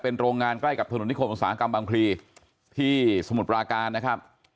โรงงานใกล้กับถนนนิคมอุตสาหกรรมบางพลีที่สมุทรปราการนะครับ